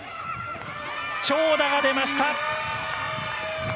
長打が出ました。